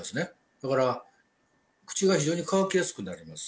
だから口が非常に乾きやすくなります。